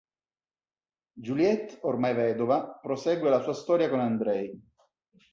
Juliette, ormai vedova, prosegue la sua storia con Andrej.